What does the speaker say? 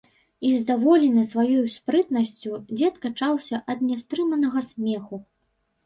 І, здаволены сваёй спрытнасцю, дзед качаўся ад нястрыманага смеху.